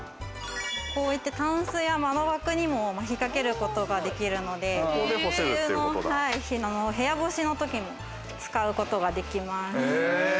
こうやってタンスや窓枠にも引っかけることができるので、梅雨の日の部屋干しの時も使うことができます。